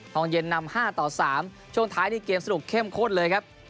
ห้องเย็นนำ๕ต่อ๓ช่วงท้ายนี่เกมสนุกเข้มข้นเลยครับ